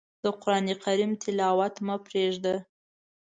د قرآن تلاوت مه پرېږده.